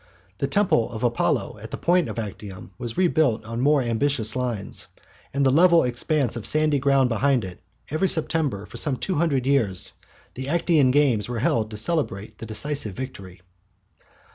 The temple of Apollo, on the point of Actium, was rebuilt on more ambitious lines, and on the level expanse of sandy ground behind it, every September, for some two hundred years, the "Actian games" were held to celebrate the decisive victory.